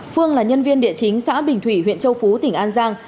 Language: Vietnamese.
phương là nhân viên địa chính xã bình thủy huyện châu phú tỉnh an giang